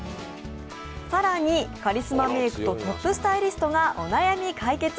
更にカリスマメークとトップスタイリストがお悩み解決。